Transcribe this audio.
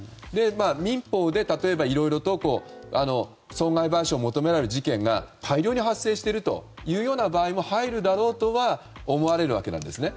民法でいろいろと損害賠償を求められる事件が大量に発生している場合も入るだろうとは思われるわけなんですね。